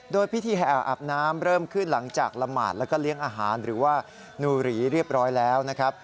โดยพิธีแห่ออาบน้ำเริ่มขึ้นหลังจากละหมาดแล้วก็เลี้ยงอาหารหรือว่านูหรีเรียบร้อยแล้วนะครับ